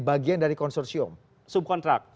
bagian dari konsorsium subkontrak